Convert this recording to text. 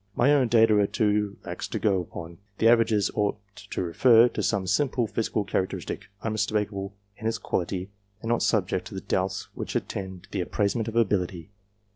My own data are too lax to go upon ; the averages ought to refer to some simple physical character istic, unmistakable in its quality, and not subject to the doubts which attend the appraisement of ability.